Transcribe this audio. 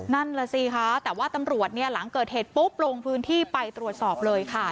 นั่นแหละสิคะแต่ว่าตำรวจเนี่ยหลังเกิดเหตุปุ๊บลงพื้นที่ไปตรวจสอบเลยค่ะ